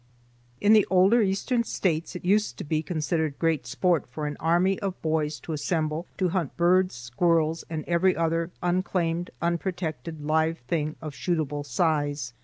In the older eastern States it used to be considered great sport for an army of boys to assemble to hunt birds, squirrels, and every other unclaimed, unprotected live thing of shootable size.